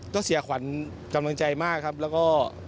ก็เสียขวัญกำลังใจมากครับแล้วก็